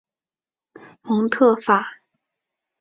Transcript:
蒙特法。